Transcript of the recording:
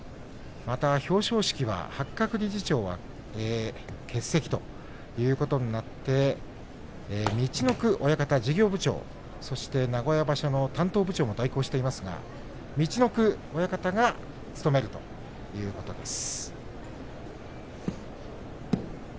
また、表彰式は八角理事長が欠席ということになってそして名古屋場所の担当部長も代行している陸奥親方が務めるということです。